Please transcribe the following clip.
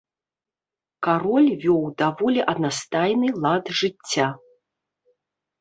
Кароль вёў даволі аднастайны лад жыцця.